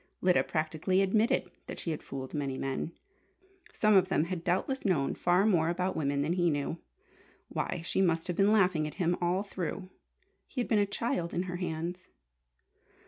Lyda practically admitted that she had fooled many men. Some of them had doubtless known far more about women than he knew. Why, she must have been laughing at him all through! He had been a child in her hands!